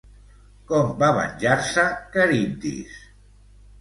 Com va venjar-se, Caribdis?